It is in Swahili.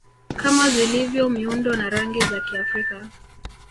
kama zilivyo miundo na rangi za Kiafrika